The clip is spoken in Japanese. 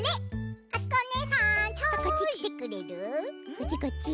こっちこっち。